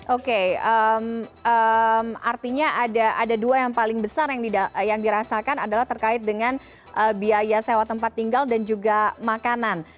oke artinya ada dua yang paling besar yang dirasakan adalah terkait dengan biaya sewa tempat tinggal dan juga makanan